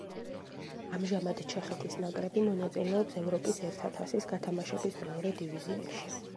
ამჟამად ჩეხეთის ნაკრები მონაწილეობს ევროპის ერთა თასის გათამაშების მეორე დივიზიონში.